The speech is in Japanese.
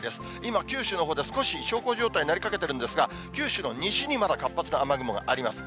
今、九州のほうでは少し小康状態になりかけてるんですが、九州の西にまだ活発な雨雲があります。